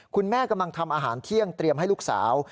คุณแม่กำลังทำอาหารเที่ยงเตรียมให้ลูกสาว